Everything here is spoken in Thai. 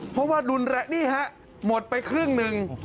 เพราะว่ารุนแรงนี่ฮะหมดไปครึ่งหนึ่ง